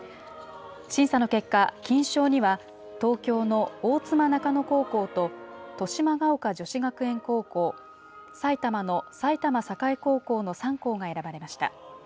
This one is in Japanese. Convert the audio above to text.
審査の結果、金賞には東京の大妻中野高校と、豊島岡女子学園高校、埼玉の埼玉栄高校の３校が選ばれました。